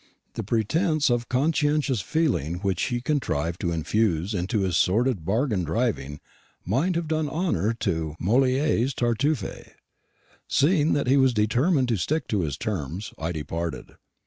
The pretence of conscientious feeling which he contrived to infuse into his sordid bargain driving might have done honour to Molière's Tartuffe. Seeing that he was determined to stick to his terms, I departed.